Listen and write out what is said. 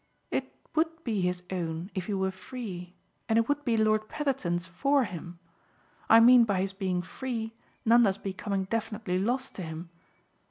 "It would be his own if he were free and it would be Lord Petherton's FOR him. I mean by his being free Nanda's becoming definitely lost to him.